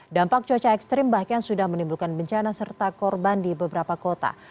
dampak cuaca ekstrim bahkan sudah menimbulkan bencana serta korban di beberapa kota